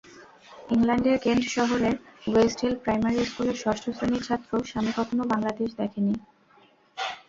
ইংল্যান্ডের কেন্ট শহরের Westhill primary স্কুলের ষষ্ঠ শ্রেণির ছাত্র সামি কখনো বাংলাদেশ দেখেনি।